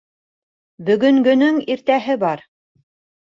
Бөгөнгөнөң иртәһе бар